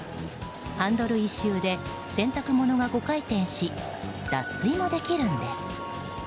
ハンドル１周で洗濯物が５回転し脱水もできるんです。